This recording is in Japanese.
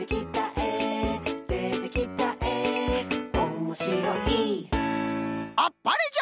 「でてきたえおもしろい」あっぱれじゃ！